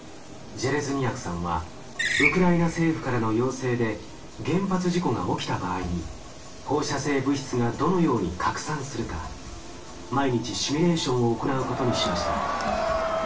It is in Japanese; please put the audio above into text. ジェレズニヤクさんはウクライナ政府からの要請で原発事故が起きた場合に放射性物質がどのように拡散するか毎日シミュレーションを行うことにしました。